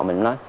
mình cũng nói